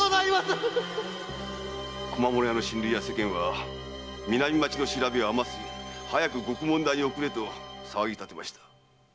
〕小間物屋の親類や世間は「南町の調べは甘すぎる」「早く獄門台に送れ」と騒ぎ立てました。